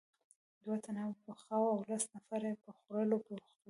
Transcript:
دوه تنه پخاوه او لس نفره یې په خوړلو بوخت وو.